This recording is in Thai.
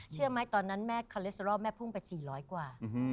เชื่อไหมตอนนั้นแม่คาเลสเตรอลแม่พุ่งไป๔๐๐กว่า